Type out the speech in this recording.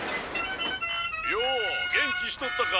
よお元気しとったか。